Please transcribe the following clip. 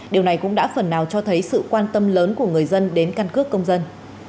điều này cũng đã phần nào cho thấy sự quan tâm lớn của người dân đến căn cước công dân